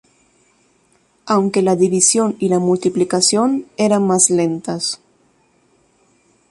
Aunque la división y la multiplicación eran más lentas.